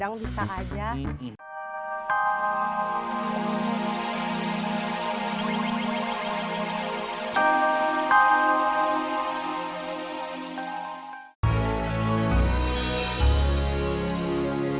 kang dadang bisa aja